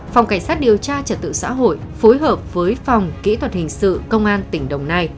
phòng cảnh sát điều tra trật tự xã hội phối hợp với phòng kỹ thuật hình sự công an tỉnh đồng nai